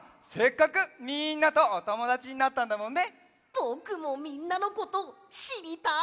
ぼくもみんなのことしりたい！